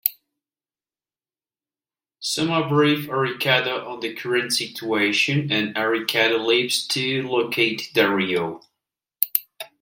Soma briefs Arikado on the current situation, and Arikado leaves to locate Dario.